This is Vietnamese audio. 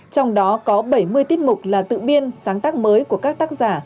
trong đó có bảy mươi tiết mục là tự biên sáng tác mới của các tác giả